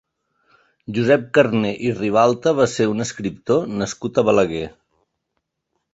Josep Carner i Ribalta va ser un escriptor nascut a Balaguer.